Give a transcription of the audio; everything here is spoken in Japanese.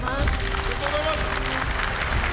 おめでとうございます。